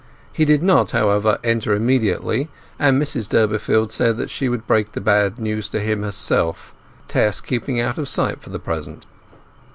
He did not, however, enter immediately, and Mrs Durbeyfield said that she would break the bad news to him herself, Tess keeping out of sight for the present.